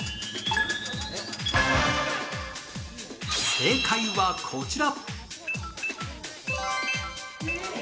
正解はこちら。